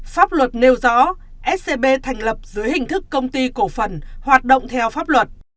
pháp luật nêu rõ scb thành lập dưới hình thức công ty cổ phần hoạt động theo pháp luật